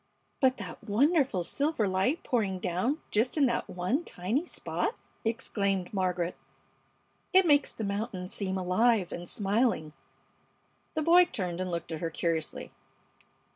"But that wonderful silver light pouring down just in that one tiny spot!" exclaimed Margaret. "It makes the mountain seem alive and smiling!" The boy turned and looked at her curiously.